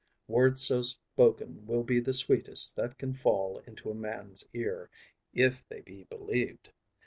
Words so spoken will be the sweetest that can fall into a man's ear, if they be believed.